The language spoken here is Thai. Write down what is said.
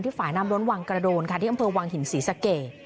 ฝ่ายน้ำล้นวังกระโดนค่ะที่อำเภอวังหินศรีสะเกด